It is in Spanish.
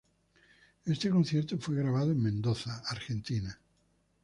Este concierto fue grabado en Mendoza, Argentina.